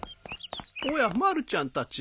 おやまるちゃんたち。